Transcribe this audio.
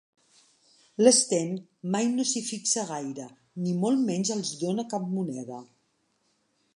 L'Sten mai no s'hi fixa gaire, ni molt menys els dóna cap moneda.